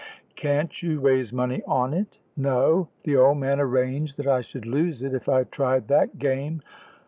"Can't you raise money on it?" "No; the old man arranged that I should lose it if I tried that game.